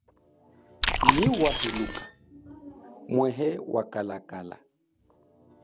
Nyi wa hiluka mwehe wa kalakala.